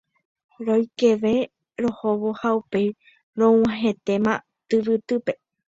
Roikeroikeve rohóvo ha upéi rog̃uahẽtama tyvytýpe